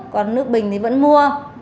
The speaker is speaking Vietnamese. còn nước bình thì vẫn mua